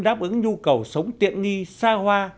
đáp ứng nhu cầu sống tiện nghi xa hoa